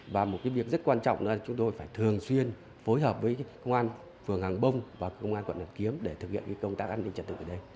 và một việc rất quan trọng là chúng tôi phải thường xuyên phối hợp với công an phường hàng bông và công an quận đàm kiếm để thực hiện công tác an ninh trật tự ở đây